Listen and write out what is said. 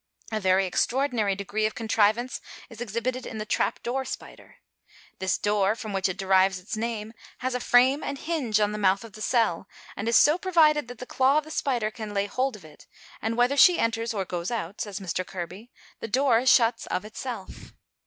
A very extraordinary degree of contrivance is exhibited in the trap door spider. This door, from which it derives its name, has a frame and hinge on the mouth of the cell, and is so provided that the claw of the spider can lay hold of it, and whether she enters or goes out, says Mr. Kirby, the door shuts of itself.